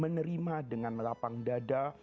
menerima dengan lapang dada